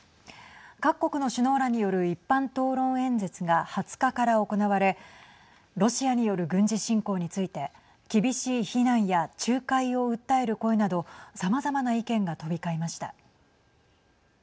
各国の首脳らによる一般討論演説が２０日から行われロシアによる軍事侵攻について厳しい非難や仲介を訴える声などさまざまな意見が飛び交いました。